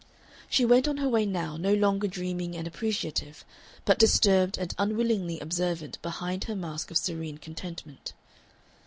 She went on her way now no longer dreaming and appreciative, but disturbed and unwillingly observant behind her mask of serene contentment.